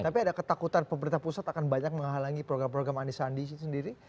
tapi ada ketakutan pemerintah pusat akan banyak menghalangi program program anies sandi sendiri